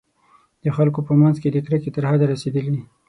د خلکو په منځ کې د کرکې تر حده رسېدلي.